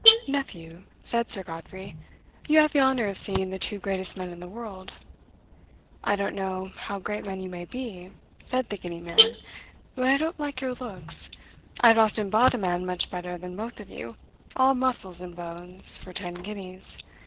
"Nephew," said Sir Godfrey, "you have the honor of seeing the two greatest men in the world." "I don't know how great men you may be," said the Guinea man, "but I don't like your looks. I have often bought a man much better than both of you, all muscles and bones, for ten guineas.